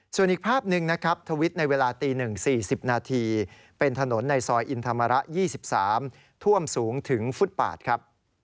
ส่วนอีกภาพหนึ่งนะครับทวิตในเวลาตี๑๔๐นาทีเป็นถนนในซอยอินธรรมระ๒๓ท่วมสูงถึงฟุตปาดครับ